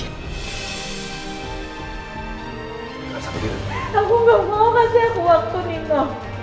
aku gak mau kasih aku waktu lina